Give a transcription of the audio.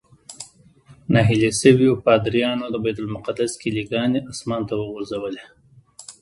نهیلي شویو پادریانو د بیت المقدس کیلي ګانې اسمان ته وغورځولې.